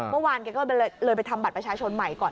เมื่อวานแกก็เลยไปทำบัตรประชาชนใหม่ก่อน